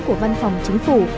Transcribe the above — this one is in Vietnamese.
của văn phòng chính phủ